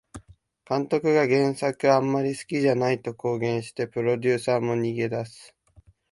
監督が原作あんまり好きじゃないと公言してプロデューサーも逃げ出す